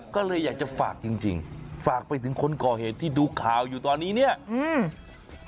ก็เลยอยากจะฝากจริงจริงฝากไปถึงคนก่อเหตุที่ดูข่าวอยู่ตอนนี้เนี่ยอืม